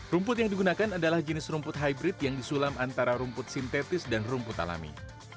rumput yang digunakan adalah jenis rumput hybrid yang disulam antara rumput sintetis dan rumput alami